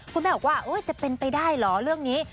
คุณแม่บอกว่าจะเป็นไปได้เหรอเรื่องนี้